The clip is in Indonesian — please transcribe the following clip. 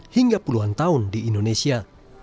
hingga puluhan tahun di indonesia